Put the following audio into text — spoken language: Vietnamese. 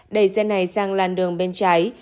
đẩy xe này sang làn đường bên trái